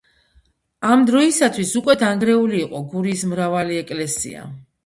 ამ დროისათვის უკვე დანგრეული იყო გურიის მრავალი ეკლესია.